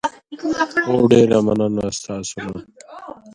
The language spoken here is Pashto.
ژبه مو تل ودان او ولس مو سوکاله وي.